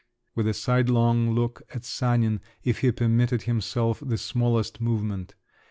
with a sidelong look at Sanin, if he permitted himself the smallest movement.